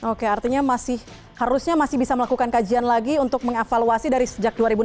oke artinya masih harusnya masih bisa melakukan kajian lagi untuk mengevaluasi dari sejak dua ribu enam belas